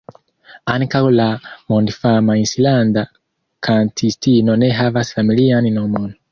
Ankaŭ la mondfama islanda kantistino ne havas familian nomon.